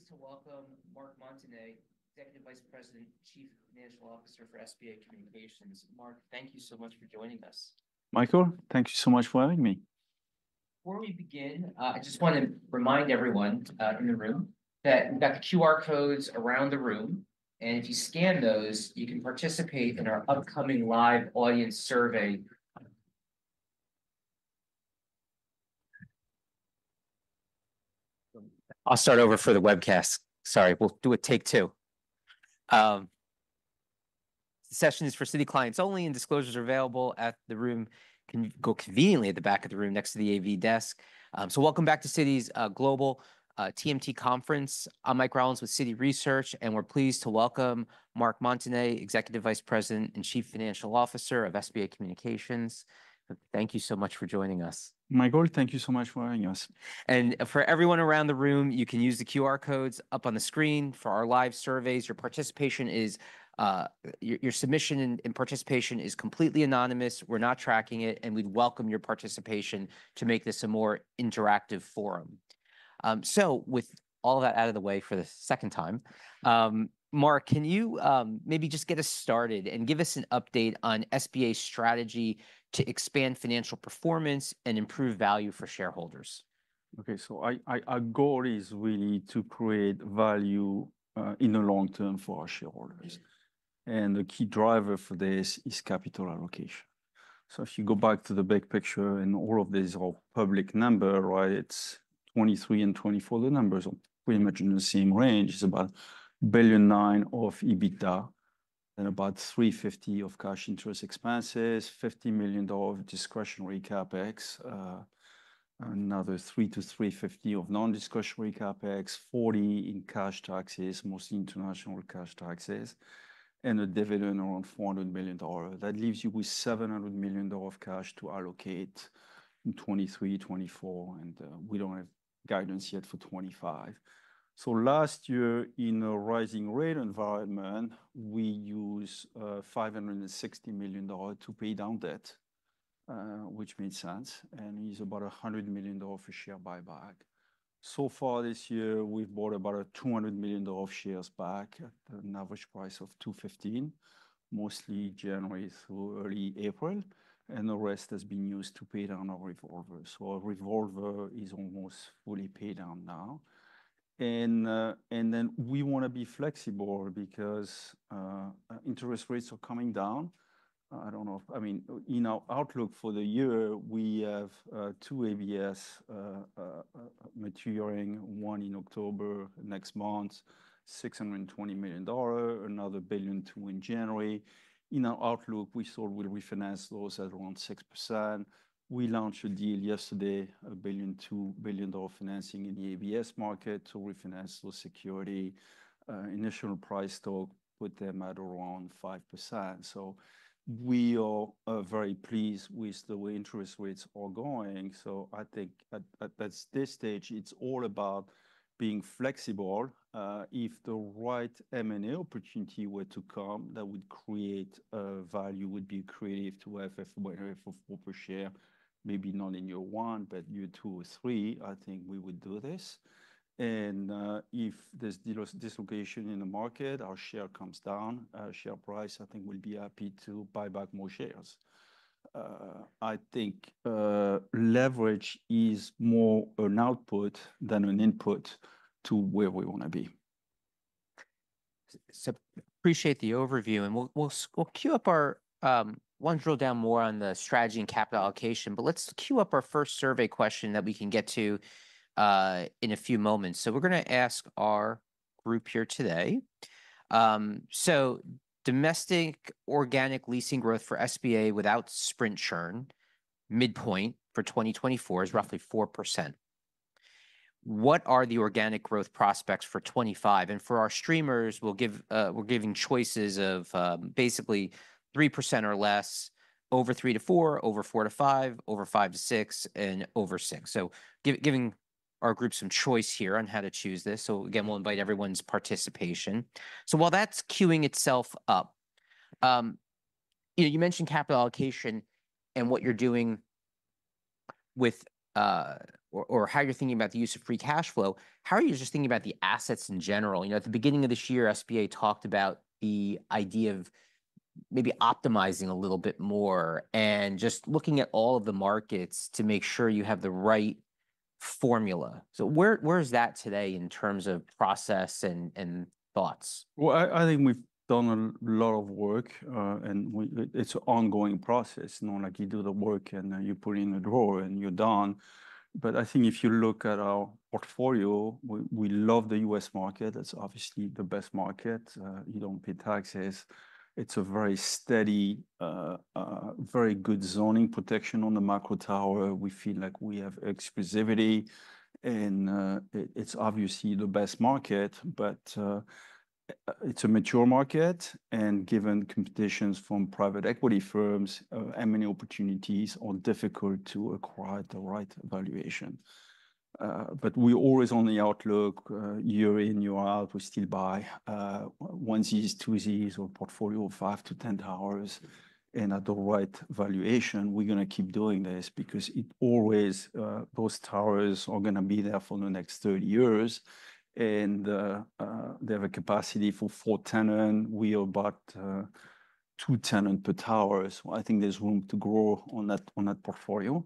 We're pleased to welcome Marc Montagner, Executive Vice President, Chief Financial Officer for SBA Communications. Marc, thank you so much for joining us. Michael, thank you so much for having me. Before we begin, I just wanna remind everyone in the room that we've got the QR codes around the room, and if you scan those, you can participate in our upcoming live audience survey. I'll start over for the webcast. Sorry, we'll do a take two. The session is for Citi clients only, and disclosures are available in the room, conveniently at the back of the room next to the AV desk, so welcome back to Citi's Global TMT conference. I'm Mike Rollins with Citi Research, and we're pleased to welcome Marc Montagner, Executive Vice President and Chief Financial Officer of SBA Communications. Thank you so much for joining us. Michael, thank you so much for having us. For everyone around the room, you can use the QR codes up on the screen for our live surveys. Your participation is your submission and participation is completely anonymous. We're not tracking it, and we'd welcome your participation to make this a more interactive forum. With all that out of the way for the second time, Marc, can you maybe just get us started and give us an update on SBA's strategy to expand financial performance and improve value for shareholders? Okay, so our goal is really to create value in the long term for our shareholders. Yes. And the key driver for this is capital allocation. So if you go back to the big picture, and all of these are public number, right? It's 2023 and 2024, the numbers are pretty much in the same range. It's about $1.9 billion of EBITDA and about $350 million of cash interest expenses, $50 million of discretionary CapEx, another $300 million-$350 million of non-discretionary CapEx, $40 million in cash taxes, mostly international cash taxes, and a dividend around $400 million. That leaves you with $700 million of cash to allocate in 2023, 2024, and, we don't have guidance yet for 2025. So last year, in a rising rate environment, we used, $560 million to pay down debt, which made sense, and used about $100 million for share buyback. So far this year, we've bought about $200 million of shares back at an average price of $215, mostly January through early April, and the rest has been used to pay down our revolver. So our revolver is almost fully paid down now. And then we wanna be flexible because interest rates are coming down. I don't know if... I mean, in our outlook for the year, we have two ABS maturing, one in October, next month, $620 million, another $1.2 billion in January. In our outlook, we thought we'd refinance those at around 6%. We launched a deal yesterday, a $2 billion financing in the ABS market to refinance those securities. Initial price talk put them at around 5%. So we are very pleased with the way interest rates are going. I think at this stage, it's all about being flexible. If the right M&A opportunity were to come, that would create value, would be accretive to FFO per share, maybe not in year one, but year two or three, I think we would do this. And if there's dislocation in the market, our share price comes down, I think we'll be happy to buy back more shares. I think leverage is more an output than an input to where we wanna be. So appreciate the overview, and we'll queue up our. Want to drill down more on the strategy and capital allocation, but let's queue up our first survey question that we can get to in a few moments. So we're gonna ask our group here today, so domestic organic leasing growth for SBA without Sprint churn, midpoint for 2024 is roughly 4%. What are the organic growth prospects for 2025? And for our streamers, we'll give, we're giving choices of basically 3% or less, over 3% to 4%, over 4% to 5%, over 5% to 6%, and over 6%. So giving our group some choice here on how to choose this. So again, we'll invite everyone's participation. So while that's queuing itself up, you know, you mentioned capital allocation and what you're doing with, or how you're thinking about the use of free cash flow. How are you just thinking about the assets in general? You know, at the beginning of this year, SBA talked about the idea of maybe optimizing a little bit more and just looking at all of the markets to make sure you have the right formula. So where is that today in terms of process and thoughts? I think we've done a lot of work, and it's an ongoing process. Not like you do the work, and then you put it in a drawer, and you're done. But I think if you look at our portfolio, we love the US market. That's obviously the best market. You don't pay taxes. It's a very steady, very good zoning protection on the macro tower. We feel like we have exclusivity, and it's obviously the best market, but it's a mature market, and given competitions from private equity firms, M&A opportunities are difficult to acquire the right valuation. But we're always on the outlook. Year in, year out, we still buy... onesies, twosies, or a portfolio of five to 10 towers, and at the right valuation, we're gonna keep doing this because it always, those towers are gonna be there for the next 30 years. And, they have a capacity for four tenants. We are about, two tenants per tower, so I think there's room to grow on that, on that portfolio.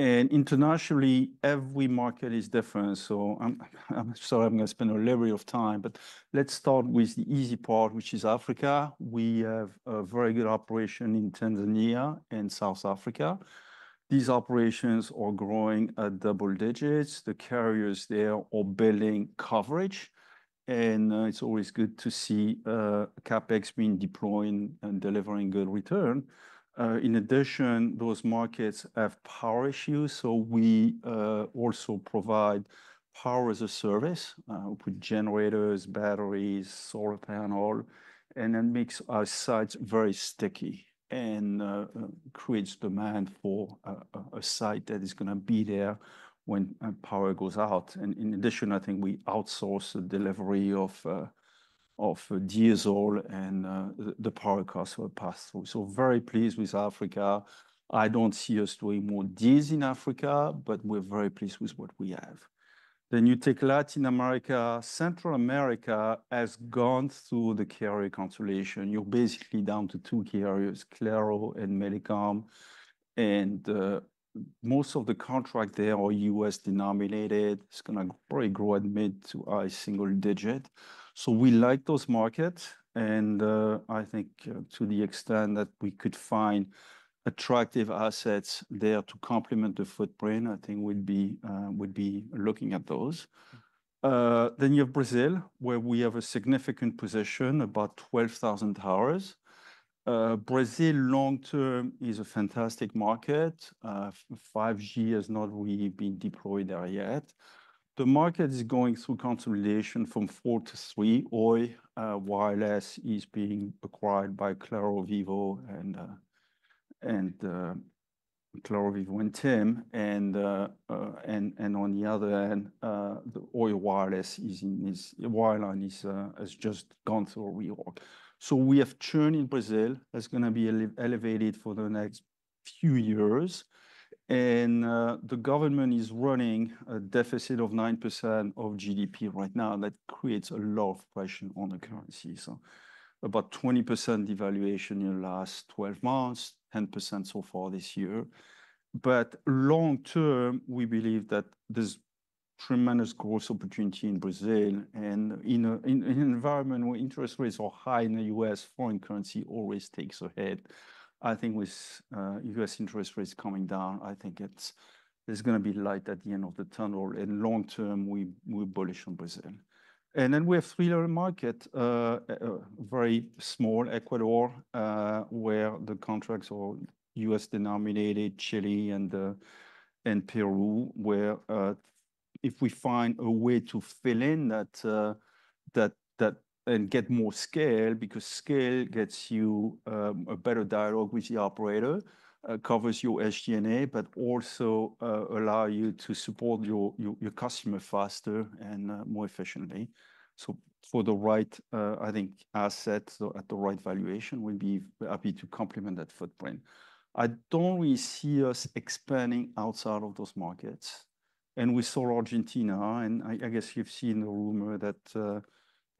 And internationally, every market is different, so I'm sorry I'm gonna spend a little bit of time, but let's start with the easy part, which is Africa. We have a very good operation in Tanzania and South Africa. These operations are growing at double digits. The carriers there are building coverage, and, it's always good to see, CapEx being deployed and delivering good return. In addition, those markets have power issues, so we also provide power as a service with generators, batteries, solar panel, and that makes our sites very sticky and creates demand for a site that is gonna be there when power goes out. And in addition, I think we outsource the delivery of diesel, and the power costs are passed through. So very pleased with Africa. I don't see us doing more deals in Africa, but we're very pleased with what we have. Then you take Latin America. Central America has gone through the carrier consolidation. You're basically down to two key areas, Claro and Tigo. And most of the contract there are US denominated. It's gonna probably grow at mid- to high-single-digit. So we like those markets, and I think to the extent that we could find attractive assets there to complement the footprint, I think we'd be looking at those. Then you have Brazil, where we have a significant position, about 12,000 towers. Brazil long term is a fantastic market. 5G has not really been deployed there yet. The market is going through consolidation from four to three. Oi Wireless is being acquired by Claro, Vivo, and TIM. And on the other hand, the Oi wireline has just gone through a reorg. So we have churn in Brazil that's gonna be elevated for the next few years, and the government is running a deficit of 9% of GDP right now, and that creates a lot of pressure on the currency. So about 20% devaluation in the last 12 months, 10% so far this year. But long term, we believe that there's tremendous growth opportunity in Brazil, and in an environment where interest rates are high in the US, foreign currency always takes a hit. I think with US interest rates coming down, I think there's gonna be light at the end of the tunnel, and long term, we're bullish on Brazil. And then we have three other markets, very small, Ecuador, where the contracts are US denominated, Chile and Peru, where if we find a way to fill in that. And get more scale, because scale gets you a better dialogue with the operator, covers your SG&A, but also allow you to support your customer faster and more efficiently. So for the right, I think assets or at the right valuation, we'll be happy to complement that footprint. I don't really see us expanding outside of those markets. And we saw Argentina, and I guess you've seen the rumor that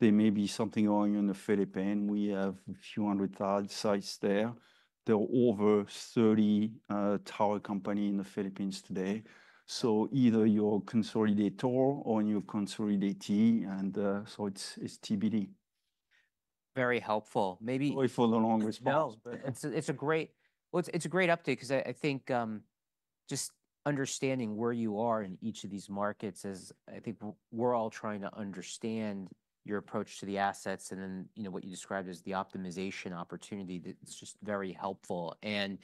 there may be something going on in the Philippines. We have a few hundred tower sites there. There are over 30 tower companies in the Philippines today. Either you're a consolidator or you're a consolidatee, and so it's TBD. Very helpful. Maybe- Sorry for the long response, but- No, it's a, it's a great... Well, it's a great update 'cause I, I think, just understanding where you are in each of these markets is, I think we're all trying to understand your approach to the assets, and then, you know, what you described as the optimization opportunity, that's just very helpful. And,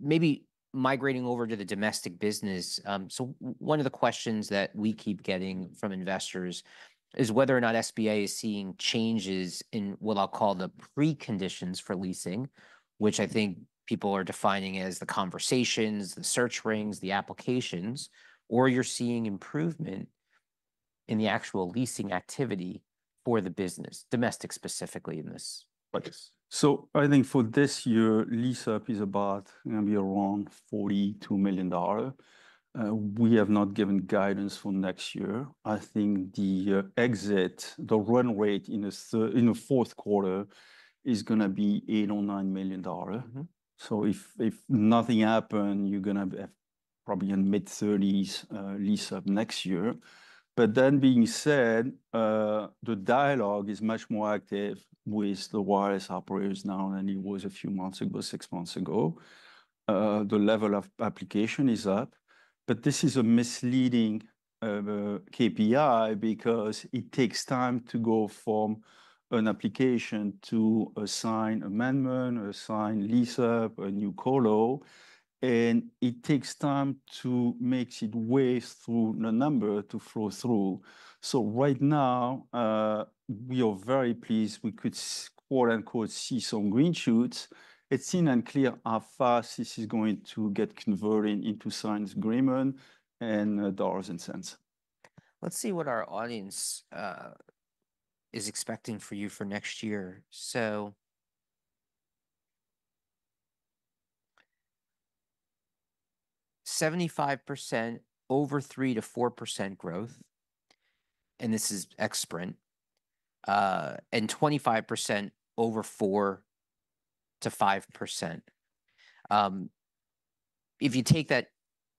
maybe migrating over to the domestic business, so one of the questions that we keep getting from investors is whether or not SBA is seeing changes in what I'll call the preconditions for leasing, which I think people are defining as the conversations, the search rings, the applications, or you're seeing improvement in the actual leasing activity for the business, domestic specifically in this case. I think for this year, lease-up is about gonna be around $42 million. We have not given guidance for next year. I think the exit, the run rate in the Q4 is gonna be $8 or $9 million. Mm-hmm. So if nothing happen, you're gonna have probably in mid-30s lease-up next year. But that being said, the dialogue is much more active with the wireless operators now than it was a few months ago, six months ago. The level of application is up, but this is a misleading KPI because it takes time to go from an application to a signed amendment, a signed lease-up, a new colo, and it takes time to make its way through the numbers to flow through. So right now, we are very pleased. We could, quote, unquote, see some green shoots. It's to be seen and clear how fast this is going to get converted into signed agreement and dollars and cents. Let's see what our audience is expecting for you for next year. 75% over 3% to 4% growth, and this is ex-Sprint. And 25% over 4% to 5%. If you take that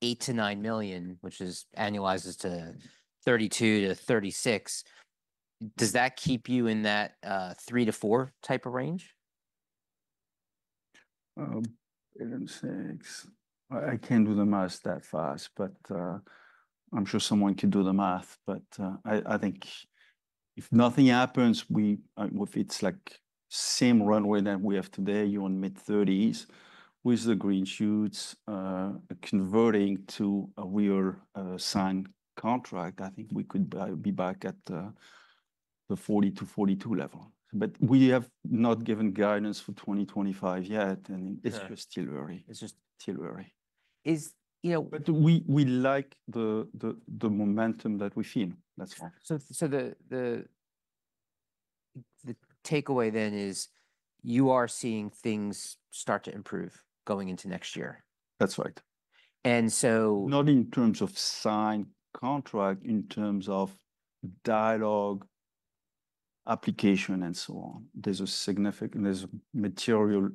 8 to 9 million, which annualizes to 32 to 36, does that keep you in that 3 to 4 type of range? Eight and six. I can't do the math that fast, but I'm sure someone could do the math. But I think if nothing happens, if it's like the same run rate that we have today, you're in mid-30s. With the green shoots converting to a real signed contract, I think we could be back at the 40 to 42 level. But we have not given guidance for 2025 yet, and- Yeah... it's just still early. It's just still early. Is, you know- But we like the momentum that we feel. That's all. So, the takeaway then is you are seeing things start to improve going into next year? That's right. And so- Not in terms of signed contract, in terms of dialogue, application, and so on. There's material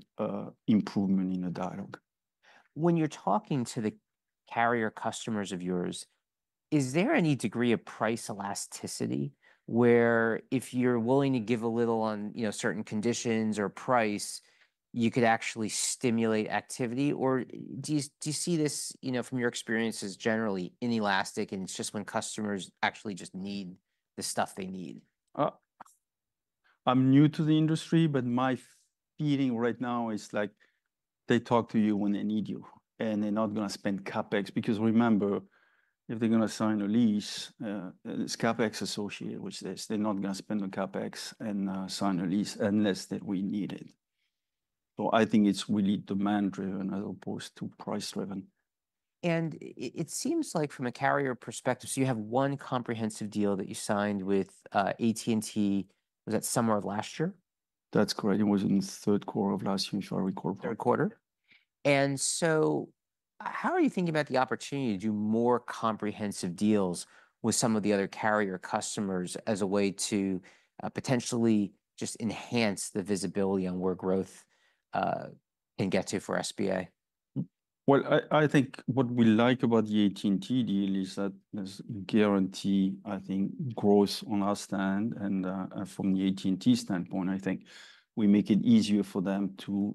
improvement in the dialogue. When you're talking to the carrier customers of yours, is there any degree of price elasticity, where if you're willing to give a little on, you know, certain conditions or price, you could actually stimulate activity? Or do you, do you see this, you know, from your experience, as generally inelastic, and it's just when customers actually just need the stuff they need? I'm new to the industry, but my feeling right now is, like, they talk to you when they need you, and they're not gonna spend CapEx. Because remember, if they're gonna sign a lease, there's CapEx associated with this. They're not gonna spend on CapEx and sign a lease unless that we need it. So I think it's really demand-driven as opposed to price-driven. It seems like from a carrier perspective, so you have one comprehensive deal that you signed with AT&T. Was that summer of last year? That's correct. It was in the Q3 of last year, if I recall, Q3. And so, how are you thinking about the opportunity to do more comprehensive deals with some of the other carrier customers as a way to, potentially just enhance the visibility on where growth, can get to for SBA? I think what we like about the AT&T deal is that there's guaranteed growth on our end. From the AT&T standpoint, I think we make it easier for them to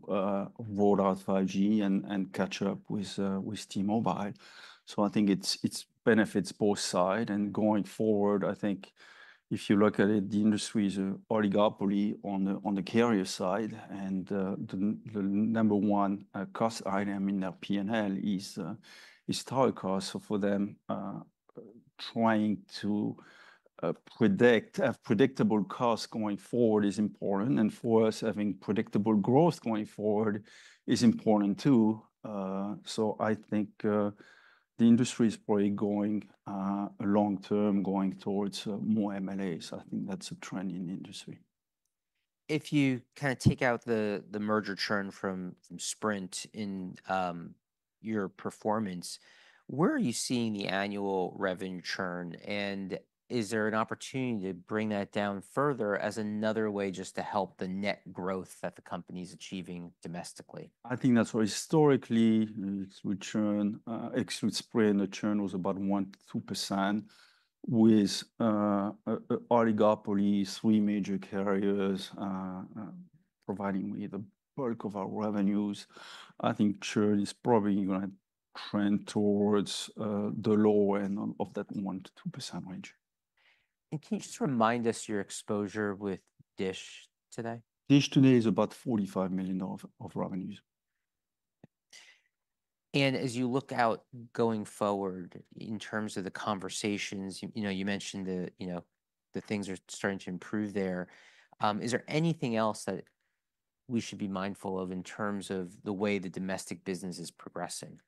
roll out 5G and catch up with T-Mobile. I think it benefits both sides. Going forward, I think if you look at it, the industry is an oligopoly on the carrier side, and the number one cost item in their P&L is tower cost. For them, trying to have predictable costs going forward is important, and for us, having predictable growth going forward is important, too. I think the industry is probably going long-term towards more MLAs. I think that's a trend in the industry. If you kind of take out the merger churn from Sprint in your performance, where are you seeing the annual revenue churn? And is there an opportunity to bring that down further as another way just to help the net growth that the company's achieving domestically? I think that's where historically, with churn, with Sprint, the churn was about 1% to 2%, with a oligopoly, three major carriers providing me the bulk of our revenues. I think churn is probably gonna trend towards the low end of that 1% to 2% range. Can you just remind us your exposure with DISH today? DISH today is about $45 million of revenues. And as you look out going forward, in terms of the conversations, you know, you mentioned, you know, the things are starting to improve there. Is there anything else that we should be mindful of in terms of the way the domestic business is progressing?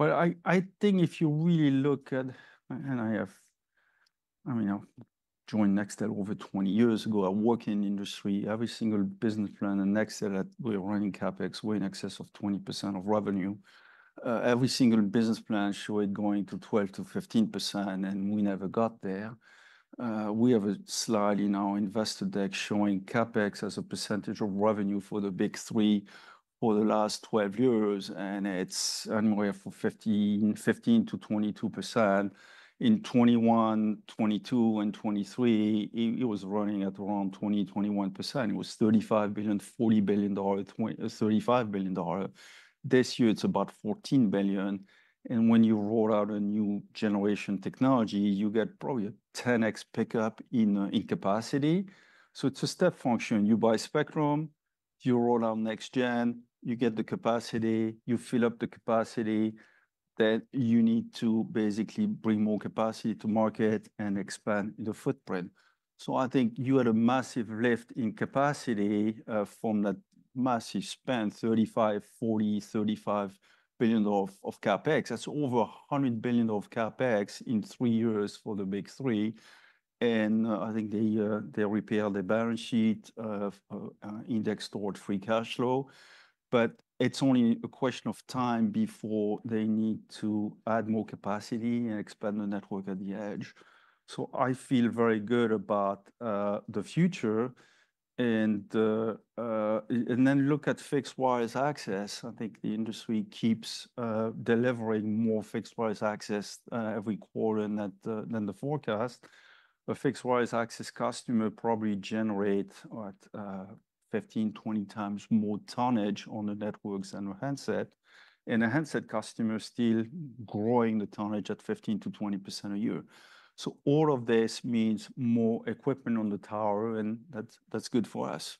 I think if you really look at... And I have—I mean, I've joined Nextel over 20 years ago. I work in industry. Every single business plan in Nextel that we're running CapEx were in excess of 20% of revenue. Every single business plan showed going to 12% to 15%, and we never got there. We have a slide in our investor deck showing CapEx as a percentage of revenue for the Big Three for the last 12 years, and it's anywhere from 15% to 22%. In 2021, 2022, and 2023, it was running at around 20% to 21%. It was $35 billion, $40 billion, $35 billion. This year it's about $14 billion, and when you roll out a new generation technology, you get probably a 10x pickup in capacity. So it's a step function. You buy spectrum, you roll out next gen, you get the capacity, you fill up the capacity. Then you need to basically bring more capacity to market and expand the footprint. So I think you had a massive lift in capacity from that massive spend, $35 to 40 billion of CapEx. That's over $100 billion of CapEx in three years for the Big Three, and I think they repair their balance sheet, index toward free cash flow. But it's only a question of time before they need to add more capacity and expand the network at the edge. So I feel very good about the future. And then look at fixed wireless access. I think the industry keeps delivering more fixed wireless access every quarter than the forecast. A fixed wireless access customer probably generates, what, 15, 20 times more tonnage on the networks than a handset, and a handset customer is still growing the tonnage at 15% to 20% a year. So all of this means more equipment on the tower, and that's good for us.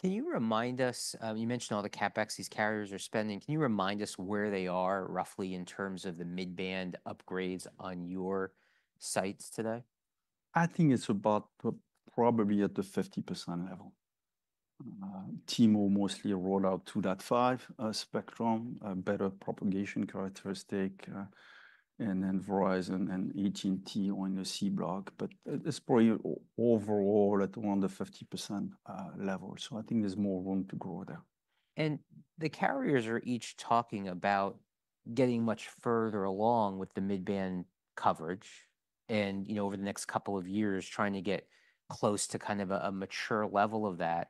Can you remind us, you mentioned all the CapEx these carriers are spending. Can you remind us where they are, roughly, in terms of the mid-band upgrades on your sites today? I think it's about probably at the 50% level. T-Mobile mostly rolled out 2.5 spectrum, a better propagation characteristic, and then Verizon and AT&T are in the C-band. But it's probably overall at around the 50% level, so I think there's more room to grow there. And the carriers are each talking about getting much further along with the mid-band coverage and, you know, over the next couple of years, trying to get close to kind of a mature level of that.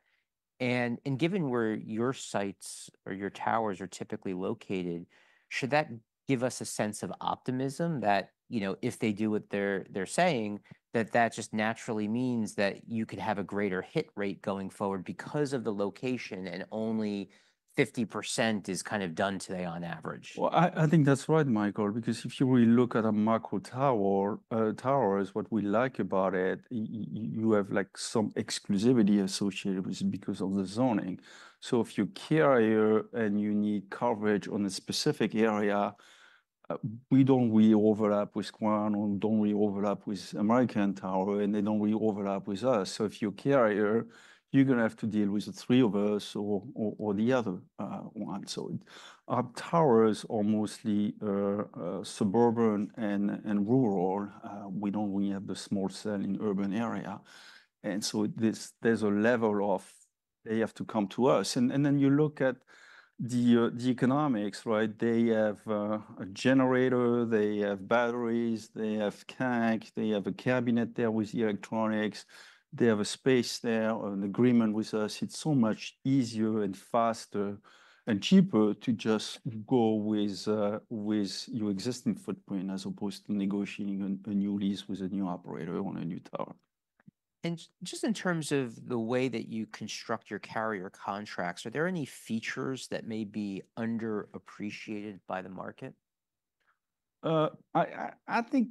And given where your sites or your towers are typically located, should that give us a sense of optimism that, you know, if they do what they're saying, that just naturally means that you could have a greater hit rate going forward because of the location, and only 50% is kind of done today on average? I think that's right, Michael, because if you really look at a macro tower, tower is what we like about it. You have, like, some exclusivity associated with it because of the zoning. So if you're carrier, and you need coverage on a specific area, we don't really overlap with Crown, or we don't really overlap with American Tower, and they don't really overlap with us. So if you're carrier, you're gonna have to deal with the three of us or the other one. So our towers are mostly suburban and rural. We don't really have the small cell in urban area, and so there's a level of they have to come to us. And then you look at the economics, right? They have a generator. They have batteries. They have coax. They have a cabinet there with the electronics. They have a space there, an agreement with us. It's so much easier and faster and cheaper to just go with your existing footprint as opposed to negotiating a new lease with a new operator on a new tower. Just in terms of the way that you construct your carrier contracts, are there any features that may be underappreciated by the market? I think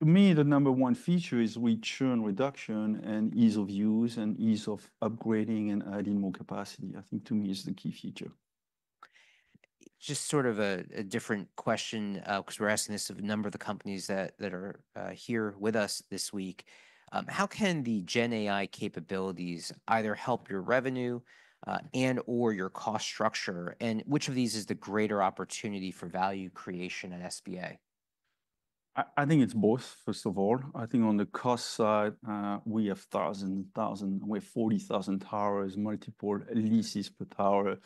to me, the number one feature is return reduction and ease of use and ease of upgrading and adding more capacity, I think, to me, is the key feature. Just sort of a different question, 'cause we're asking this of a number of the companies that are here with us this week. How can the GenAI capabilities either help your revenue and/or your cost structure, and which of these is the greater opportunity for value creation at SBA? I think it's both, first of all. I think on the cost side, we have thousands. We have 40,000 towers, multiple leases per tower,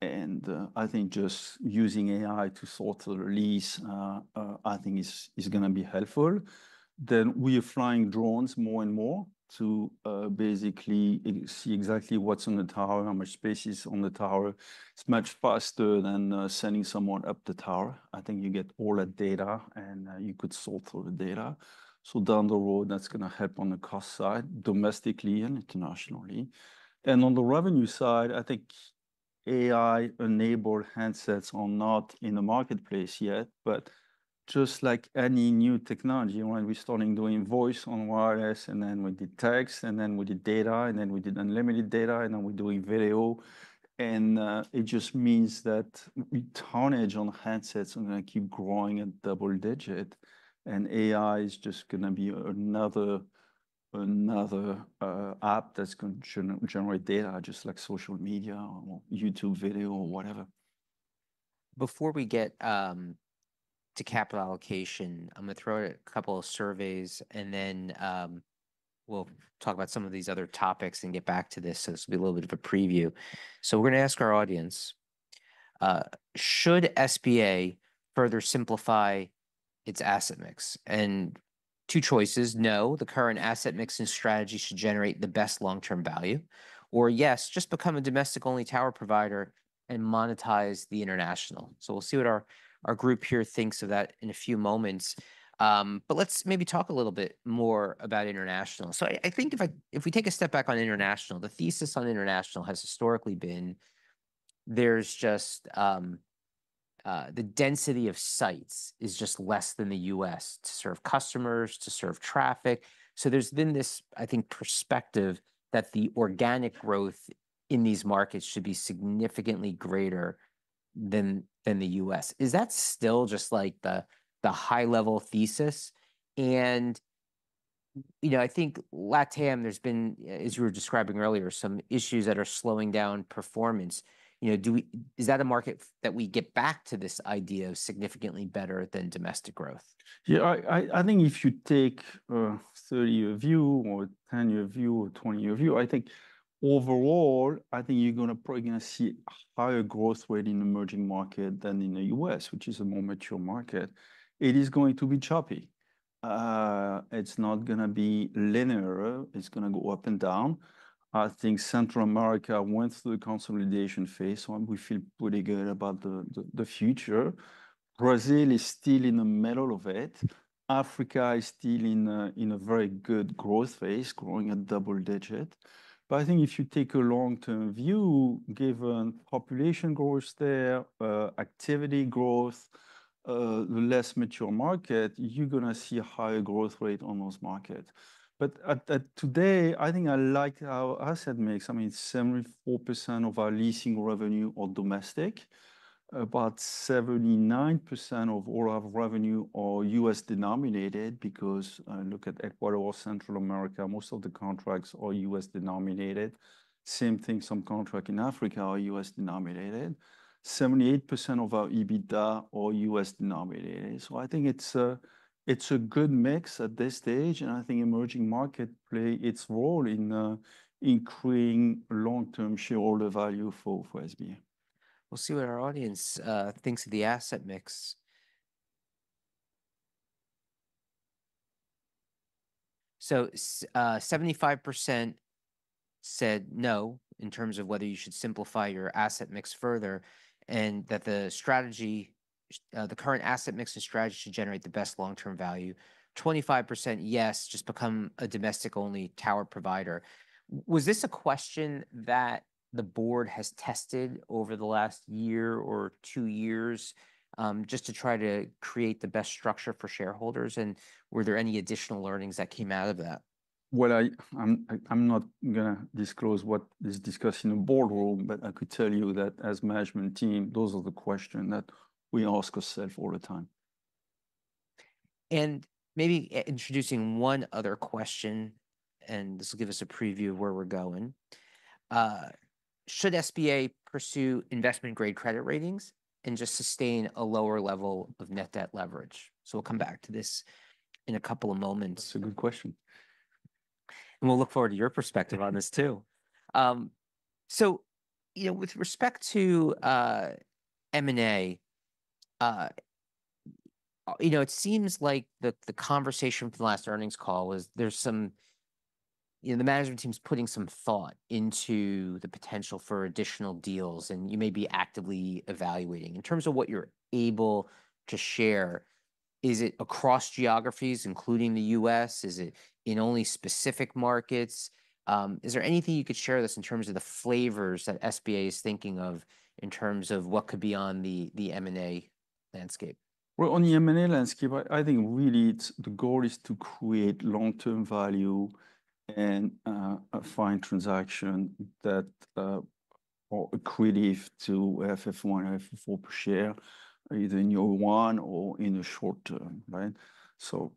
and I think just using AI to sort the lease is gonna be helpful. Then, we are flying drones more and more to basically see exactly what's on the tower, how much space is on the tower. It's much faster than sending someone up the tower. I think you get all that data, and you could sort through the data. So down the road, that's gonna help on the cost side, domestically and internationally. And on the revenue side, I think AI-enabled handsets are not in the marketplace yet, but just like any new technology, right? We're starting doing voice on wireless, and then we did text, and then we did data, and then we did unlimited data, and now we're doing video, and it just means that the tonnage on handsets are gonna keep growing at double digit, and AI is just gonna be another, another app that's gonna generate data, just like social media or YouTube video or whatever. Before we get to capital allocation, I'm gonna throw out a couple of surveys, and then we'll talk about some of these other topics and get back to this. This will be a little bit of a preview. We're gonna ask our audience: should SBA further simplify its asset mix? And two choices: No, the current asset mix and strategy should generate the best long-term value, or yes, just become a domestic-only tower provider and monetize the international. We'll see what our group here thinks of that in a few moments. But let's maybe talk a little bit more about international. I think if we take a step back on international, the thesis on international has historically been there's just the density of sites is just less than the US to serve customers, to serve traffic. So there's been this, I think, perspective that the organic growth in these markets should be significantly greater than the US Is that still just, like, the high-level thesis? And, you know, I think LatAm, there's been, as you were describing earlier, some issues that are slowing down performance. You know, is that a market that we get back to this idea of significantly better than domestic growth? Yeah, I think if you take a 30-year view or a 10-year view or 20-year view, I think overall, I think you're gonna probably see higher growth rate in emerging market than in the US, which is a more mature market. It is going to be choppy. It's not gonna be linear. It's gonna go up and down. I think Central America went through the consolidation phase, so we feel pretty good about the future. Brazil is still in the middle of it. Africa is still in a very good growth phase, growing at double digit. But I think if you take a long-term view, given population growth there, activity growth, the less mature market, you're gonna see a higher growth rate on those markets. But at today, I think I like our asset mix. I mean, 74% of our leasing revenue are domestic. About 79% of all our revenue are US denominated because, look at Ecuador or Central America, most of the contracts are US denominated. Same thing, some contract in Africa are US denominated. 78% of our EBITDA are US denominated. So I think it's a, it's a good mix at this stage, and I think emerging market play its role in, increasing long-term shareholder value for, for SBA. We'll see what our audience thinks of the asset mix. So, 75% said no, in terms of whether you should simplify your asset mix further, and that the strategy, the current asset mix and strategy should generate the best long-term value. 25%, yes, just become a domestic-only tower provider. Was this a question that the board has tested over the last year or two years, just to try to create the best structure for shareholders? And were there any additional learnings that came out of that? I'm not gonna disclose what is discussed in a board room, but I could tell you that as management team, those are the question that we ask ourself all the time. Maybe introducing one other question, and this will give us a preview of where we're going. Should SBA pursue investment-grade credit ratings and just sustain a lower level of net debt leverage? We'll come back to this in a couple of moments. That's a good question. We'll look forward to your perspective on this, too. So, you know, with respect to M&A, you know, it seems like the conversation from the last earnings call was there's some. You know, the management team's putting some thought into the potential for additional deals, and you may be actively evaluating. In terms of what you're able to share, is it across geographies, including the US? Is it in only specific markets? Is there anything you could share with us in terms of the flavors that SBA is thinking of in terms of what could be on the M&A landscape? On the M&A landscape, I think really it's the goal is to create long-term value and a transaction that is accretive to AFFO per share, either in year one or in the short term, right? So,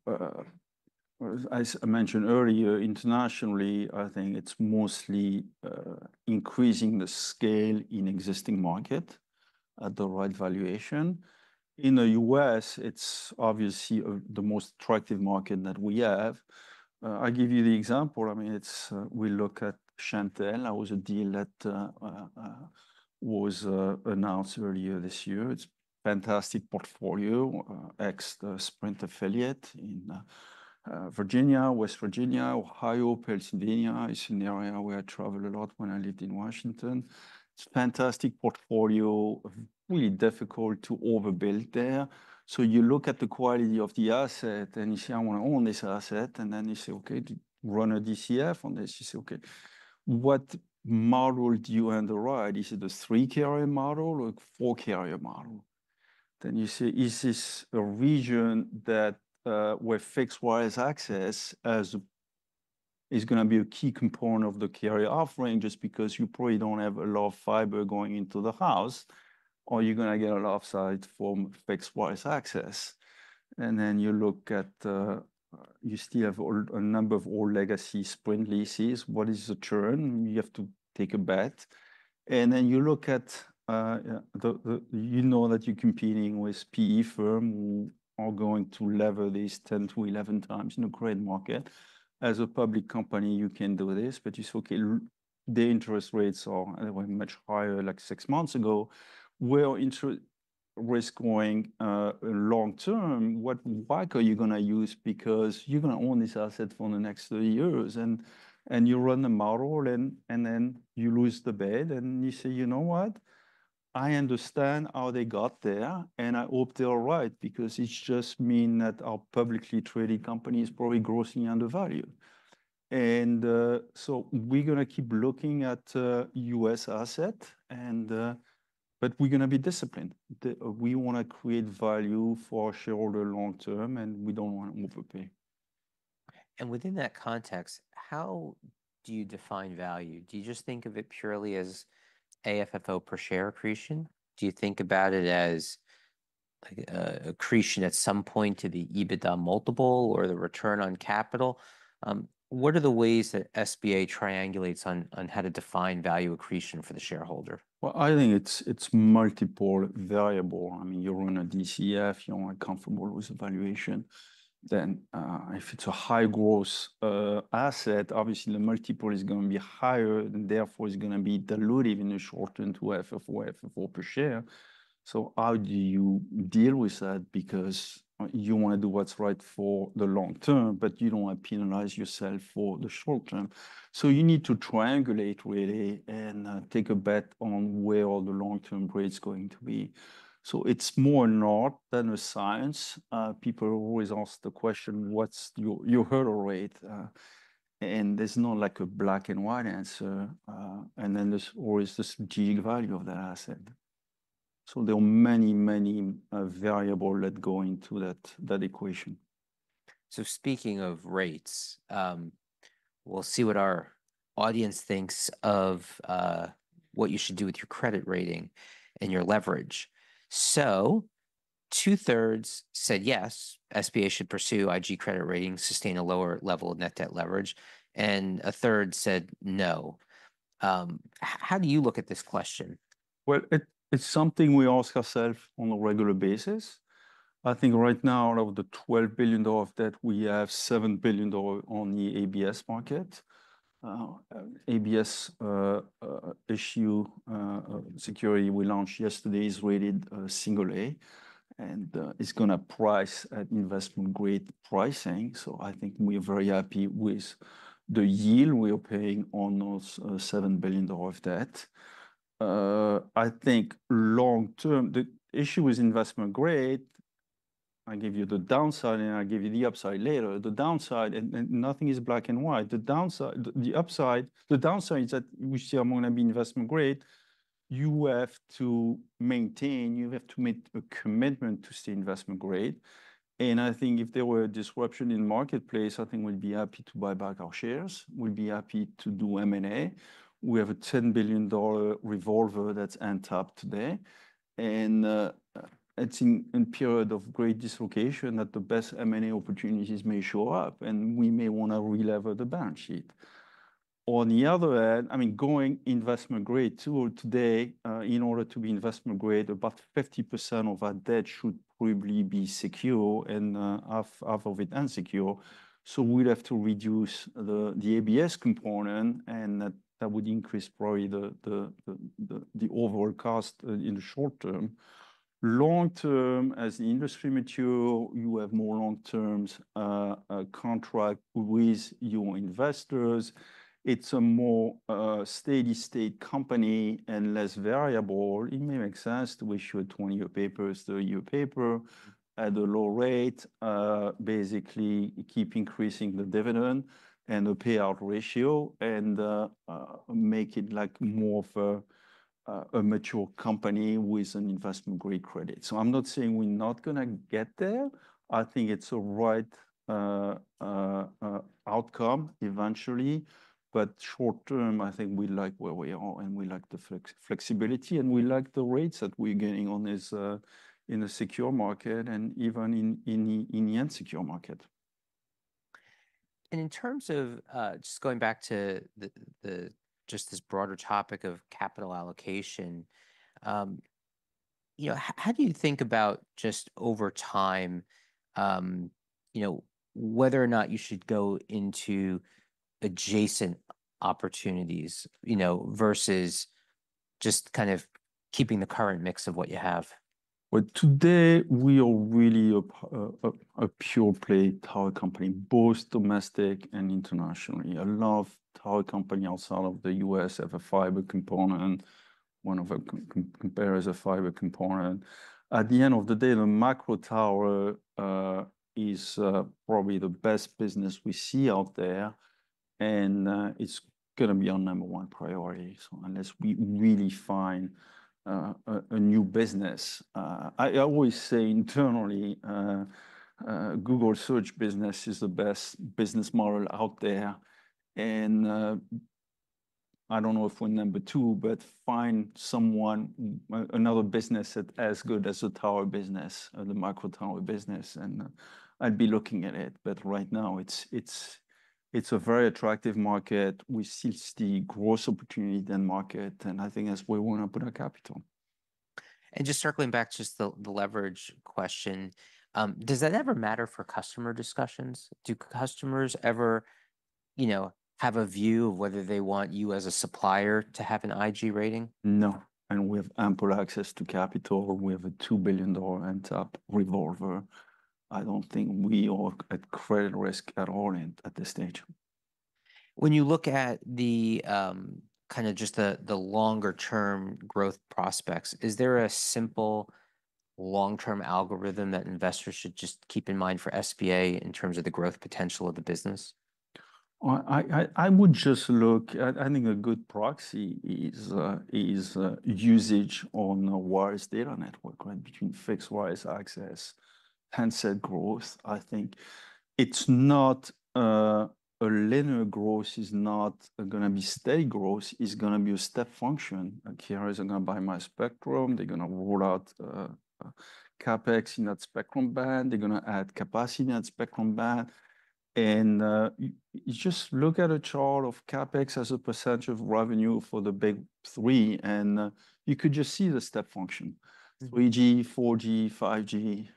as I mentioned earlier, internationally, I think it's mostly increasing the scale in existing market at the right valuation. In the US, it's obviously the most attractive market that we have. I'll give you the example. I mean, it's we look at Shentel. That was a deal that was announced earlier this year. It's a fantastic portfolio ex the Sprint affiliate in Virginia, West Virginia, Ohio, Pennsylvania. It's an area where I traveled a lot when I lived in Washington. It's a fantastic portfolio, really difficult to overbuild there. You look at the quality of the asset, and you say, "I wanna own this asset." Then you say, "Okay, run a DCF on this." You say: Okay, what model do you underwrite? Is it a 3-carrier model or a 4-carrier model? Then you say, "Is this a region that, where fixed-wire access as, is gonna be a key component of the carrier offering just because you probably don't have a lot of fiber going into the house, or you're gonna get a lot of sites from fixed-wire access?" Then you look at, you still have a number of old legacy Sprint leases. What is the churn? You have to take a bet. Then you look at, you know that you're competing with PE firm who are going to lever this 10 to 11 times in the current market. As a public company, you can do this, but you say, "Okay, the interest rates are, were much higher, like, six months ago. Where interest rates are going, long term? What WACC are you gonna use? Because you're gonna own this asset for the next three years." And you run the model and then you lose the bid, and you say, "You know what? I understand how they got there, and I hope they're right because it just mean that our publicly traded company is probably grossly undervalued." And so we're gonna keep looking at US asset, but we're gonna be disciplined. We wanna create value for shareholder long term, and we don't wanna overpay. Within that context, how do you define value? Do you just think of it purely as AFFO per share accretion? Do you think about it like, accretion at some point to the EBITDA multiple or the return on capital. What are the ways that SBA triangulates on how to define value accretion for the shareholder? I think it's multiple variables. I mean, you run a DCF, you want to come from what the valuation, then if it's a high growth asset, obviously the multiple is gonna be higher, and therefore it's gonna be dilutive in the short term to FFO, FFO per share. So how do you deal with that? Because you wanna do what's right for the long term, but you don't wanna penalize yourself for the short term. So you need to triangulate really and take a bet on where all the long-term growth is going to be. So it's more an art than a science. People always ask the question, "What's your hurdle rate?" And there's no like a black-and-white answer. And then there's always this big value of that asset. So there are many, many variables that go into that equation. So speaking of rates, we'll see what our audience thinks of what you should do with your credit rating and your leverage. So two-thirds said, yes, SBA should pursue IG credit rating, sustain a lower level of net debt leverage, and a third said, no. How do you look at this question? It's something we ask ourself on a regular basis. I think right now, out of the $12 billion of debt, we have $7 billion on the ABS market. ABS issue security we launched yesterday is rated single A, and it's gonna price at investment grade pricing. So I think we're very happy with the yield we are paying on those $7 billion of debt. I think long term, the issue with investment grade, I give you the downside, and I give you the upside later. The downside, and nothing is black and white. The downside is that we say I'm gonna be investment grade, you have to maintain, you have to make a commitment to stay investment grade. And I think if there were a disruption in the marketplace, I think we'd be happy to buy back our shares. We'd be happy to do M&A. We have a $10 billion revolver that's untapped today, and it's in a period of great dislocation that the best M&A opportunities may show up, and we may wanna relever the balance sheet. On the other hand, I mean, going to Investment Grade today, in order to be Investment Grade, about 50% of our debt should probably be secured and half of it unsecured. So we'd have to reduce the ABS component, and that would increase probably the overall cost in the short term. Long term, as the industry matures, you have more long-term contracts with your investors. It's a more steady state company and less variable. It may make sense to issue a 20-year paper, 30-year paper at a low rate, basically keep increasing the dividend and the payout ratio and, make it, like, more of a mature company with an Investment Grade credit. So I'm not saying we're not gonna get there. I think it's a right outcome eventually. But short term, I think we like where we are, and we like the flexibility, and we like the rates that we're getting on this, in a secured market and even in the unsecured market. In terms of just going back to the just this broader topic of capital allocation, you know, how do you think about just over time, you know, whether or not you should go into adjacent opportunities, you know, versus just kind of keeping the current mix of what you have? Today we are really a pure play tower company, both domestic and internationally. A lot of tower companies outside of the US have a fiber component. One of our competitors has a fiber component. At the end of the day, the macro tower is probably the best business we see out there, and it's gonna be our number one priority. Unless we really find a new business... I always say internally, Google search business is the best business model out there, and I don't know if we're number two, but find someone, another business that as good as the tower business or the micro tower business, and I'd be looking at it. But right now, it's a very attractive market. We see the growth opportunity in that market, and I think that's where we wanna put our capital. Just circling back to just the leverage question, does that ever matter for customer discussions? Do customers ever, you know, have a view of whether they want you as a supplier to have an IG rating? No, and we have ample access to capital. We have a $2 billion untapped revolver. I don't think we are at credit risk at all at this stage. When you look at the kind of just the longer term growth prospects, is there a simple long-term algorithm that investors should just keep in mind for SBA in terms of the growth potential of the business? I would just look at. I think a good proxy is usage on a wired data network, right? Between fixed wireless access, handset growth. I think it's not a linear growth is not gonna be steady growth. It's gonna be a step function. Okay, carriers are gonna buy my spectrum. They're gonna roll out CapEx in that spectrum band. They're gonna add capacity in that spectrum band. And you just look at a chart of CapEx as a percentage of revenue for the big three, and you could just see the step function. Mm.... 3G, 4G, 5G.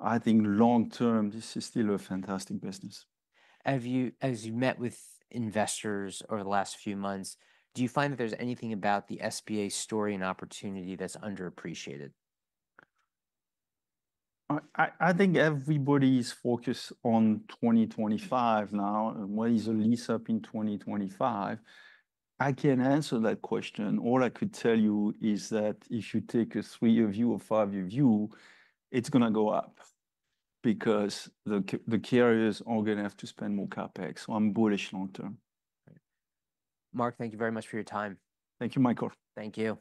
I think long term, this is still a fantastic business. As you met with investors over the last few months, do you find that there's anything about the SBA story and opportunity that's underappreciated? I think everybody's focused on 2025 now, and what is the lease-up in 2025? I can't answer that question. All I could tell you is that if you take a three-year view or five-year view, it's gonna go up because the carriers are gonna have to spend more CapEx, so I'm bullish long term. Right. Mark, thank you very much for your time. Thank you, Michael. Thank you.